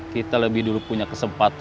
kita lebih dulu punya kesempatan